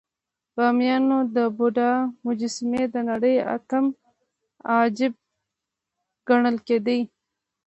د بامیانو د بودا مجسمې د نړۍ اتم عجایب ګڼل کېدې